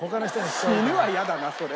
「死ぬ」は嫌だなそれ。